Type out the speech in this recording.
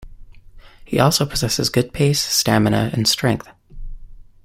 He also possesses good pace, stamina and strength.